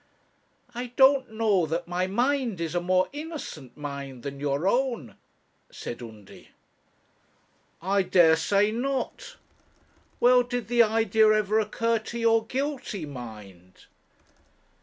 'I don't know that my mind is a more innocent mind than your own,' said Undy. 'I dare say not. Well, did the idea ever occur to your guilty mind?'